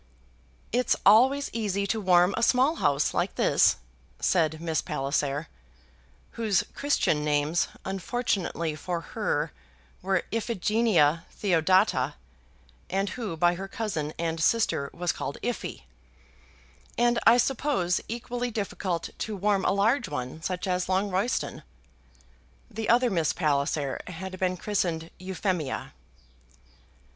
"It's always easy to warm a small house like this," said Miss Palliser, whose Christian names, unfortunately for her, were Iphigenia Theodata, and who by her cousin and sister was called Iphy "and I suppose equally difficult to warm a large one such as Longroyston." The other Miss Palliser had been christened Euphemia.